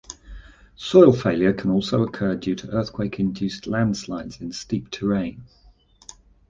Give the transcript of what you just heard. Soil failure can also occur due to earthquake-induced landslides in steep terrain.